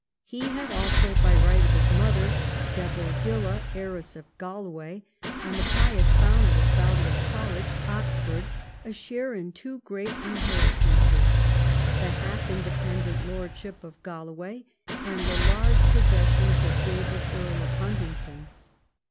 He had also by right of his mother, Devorgilla, heiress of Galloway and the pious founder of Balliol College, Oxford, a share in tAvo great inheritances, the half inde pendent lordship of Galloway and the large possessions of David, Earl of Huntingdon.